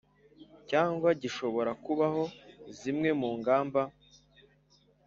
cyangwa gishobora kubaho Zimwe mu ngamba